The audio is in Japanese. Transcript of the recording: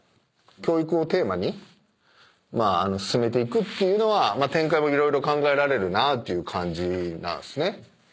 教育をテーマに進めていくっていうのは展開も色々考えられるなっていう感じなんすね。